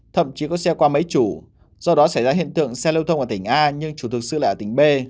thậm chí có xe qua máy chủ do đó xảy ra hiện tượng xe lưu thông ở tỉnh a nhưng chủ thực sự là ở tỉnh b